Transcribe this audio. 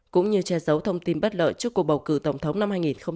cũng như che giấu thông tin bất lợi trước cuộc bầu cử tổng thống năm hai nghìn hai mươi